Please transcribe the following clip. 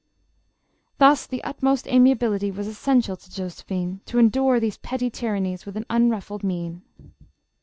Thus the utmost amiability was essential to Josephine, to endure these petty tyrannies with an unruffled mien.